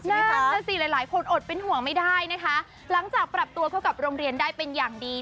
นั่นสิหลายหลายคนอดเป็นห่วงไม่ได้นะคะหลังจากปรับตัวเข้ากับโรงเรียนได้เป็นอย่างดี